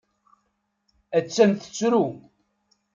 Attan tettru.